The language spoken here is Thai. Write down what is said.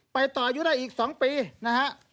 ไปต่ออายุได้อีก๒ปีนะฮะ